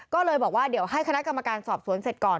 ก็เลยบอกว่าเดี๋ยวให้คณะกรรมการสอบสวนเสร็จก่อน